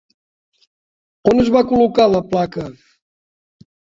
On es va col·locar la placa?